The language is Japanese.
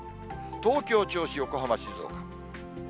東京、銚子、横浜、静岡。